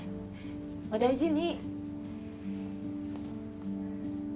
お大事に。